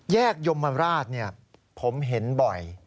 แยกยมราชเนี่ยผมเห็นบ่อย